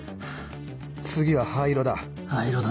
次は灰色だ。